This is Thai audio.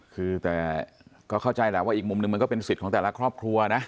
คือแต่ก็เข้าใจแหละว่าอีกมุมหนึ่งมันก็เป็นสิทธิ์ของแต่ละครอบครัวนะ